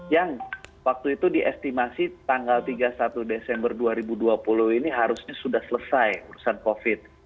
yang waktu itu diestimasi tanggal tiga puluh satu desember dua ribu dua puluh ini harusnya sudah selesai urusan covid